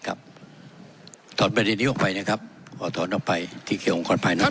ครับถอดบรรยายนี้ออกไปนะครับขอถอดออกไปที่เกี่ยวกับองค์กรภายนอกครับ